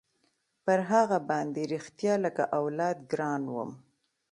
پر هغه باندې رښتيا لكه اولاد ګران وم.